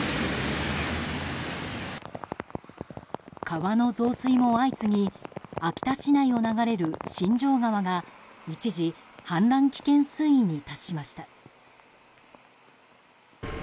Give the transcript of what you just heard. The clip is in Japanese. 川の増水も相次ぎ秋田市内を流れる新城川が一時、氾濫危険水位に達しました。